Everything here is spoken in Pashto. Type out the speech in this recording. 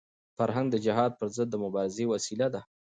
فرهنګ د جهل پر ضد د مبارزې وسیله ده.